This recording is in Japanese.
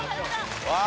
わあ